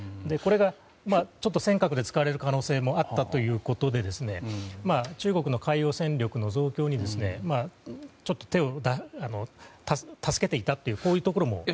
これが、ちょっと尖閣で使われる可能性もあったということで中国の海洋戦力の増強に助けていたというところも。